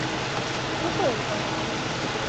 شکر وباسه.